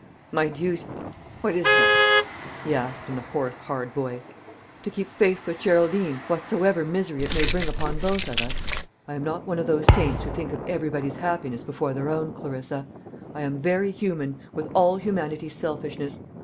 "My duty! what is that?" he asked in a hoarse hard voice. "To keep faith with Geraldine, whatsoever misery it may bring upon both of us? I am not one of those saints who think of everybody's happiness before their own, Clarissa. I am very human, with all humanity's selfishness.